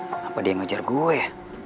kenapa dia ngejar gue